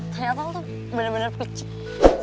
ternyata lu tuh bener bener kecil